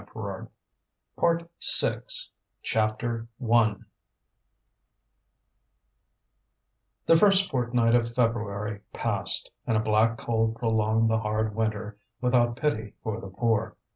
PART SIX CHAPTER I The first fortnight of February passed and a black cold prolonged the hard winter without pity for the poor.